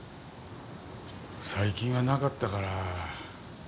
最近はなかったから。